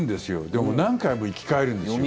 でも、何回も生き返るんですよ。